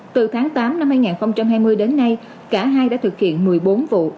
từ tháng tám năm hai nghìn hai mươi đến nay cả hai đã thực hiện một mươi bốn vụ